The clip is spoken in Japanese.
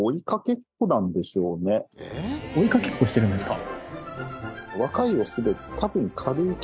追いかけっこしてるんですか？